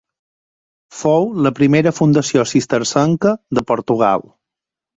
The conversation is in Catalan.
Fou la primera fundació cistercenca de Portugal.